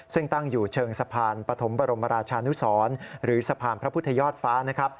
ซึ่งตั้งอยู่เชิงสะพานปฐมบรมราชานุสรหรือสะพานพระพุทธยอดฟ้านะครับ